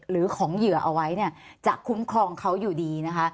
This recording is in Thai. หรือของเหยื่อเอาไว้เนี่ยจะคุ้มครองเขาอยู่ดีนะคะ